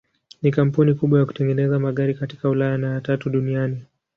Ni kampuni kubwa ya kutengeneza magari katika Ulaya na ya tatu duniani.